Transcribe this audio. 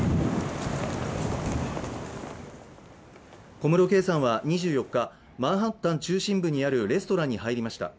小室圭さんは２４日、マンハッタン中心部にあるレストランに入りました。